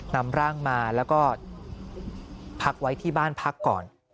นำร่างมาแล้วก็พักไว้ที่บ้านพักก่อน